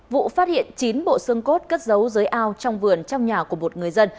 vụ phát hiện chín bộ xương cốt cất giấu dưới ao trong vườn trong nhà của một người dân